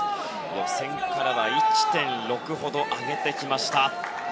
予選からは１．６ほど上げてきました。